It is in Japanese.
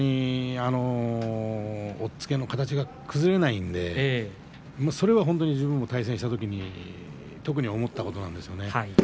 押っつけの形が崩れないのでそれは本当に自分と対戦したときに特に思ったことなんですよね。